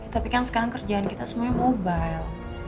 tapi kan sekarang kerjaan kita semuanya mobile